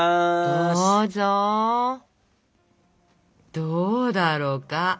どうだろか？